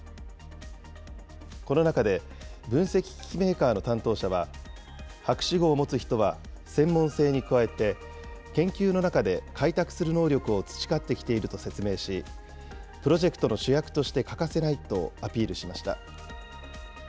この中で、分析機器メーカーの担当者は、博士号を持つ人は専門性に加えて、研究の中で開拓する能力を培ってきていると説明し、プロジェクトの主役として欠かせないとアピールしました。